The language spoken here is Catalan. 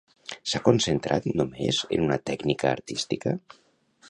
S'ha concentrat només en una tècnica artística?